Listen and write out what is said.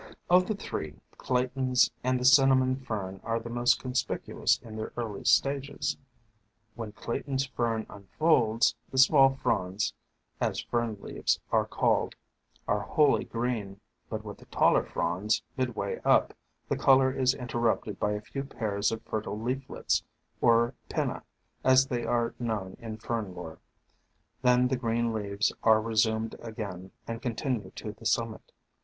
Of the three, Clayton's and the Cinnamon Fern are the most conspicuous in their early stages. When Clayton's Fern unfolds, the small fronds (as Fern leaves are called) are wholly green, but with the taller fronds, midway up, the color is interrupted by a few pairs of fertile leaflets, or pinna , as they are known in Fern lore; then the green leaves are resumed again, and continue to the summit.